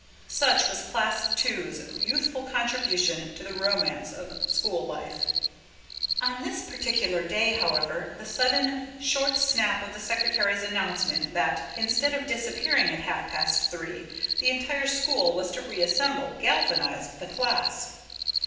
Such was Class Two's youthful contribution to the romance of school life. On this particular day, however, the sudden, short snap of the secretary's announcement that, instead of dispersing at half past three, the entire school was to reassemble, galvanised the class.